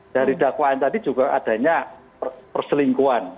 dari dakwaan tadi juga adanya perselingkuhan